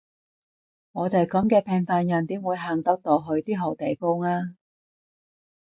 我哋噉嘅平凡人點會行得到去啲好地方呀？